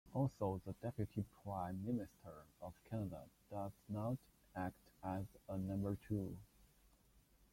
Also, the Deputy Prime Minister of Canada does not act as a "number two".